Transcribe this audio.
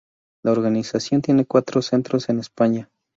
La organización tiene cuatro centros en España.